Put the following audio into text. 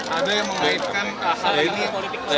ada yang mengelola